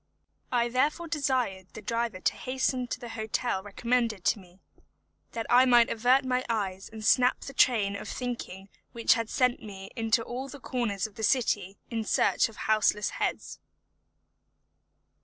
I therefore desired the driver to hasten to the hotel recommended to me, that I might avert my eyes and snap the train of thinking which had sent me into all the corners of the city in search of houseless heads.